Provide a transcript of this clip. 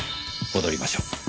戻りましょう。